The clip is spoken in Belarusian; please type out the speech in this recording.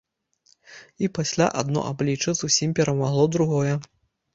І пасля адно аблічча зусім перамагло другое.